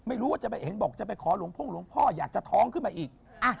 ไม่รู้ว่าจะไปเห็นแบบหรอกคิดก็ท้องอีก